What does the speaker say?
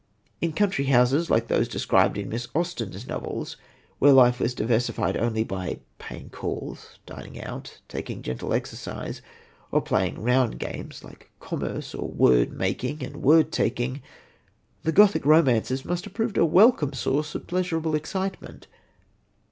In country houses like those described in Miss Austen's novels, where life was diversified only by paying calls, dining out, taking gentle exercise or playing round games like "commerce" or "word making and work taking," the Gothic Romances must have proved a welcome source of pleasurable excitement.